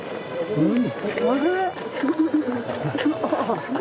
うん。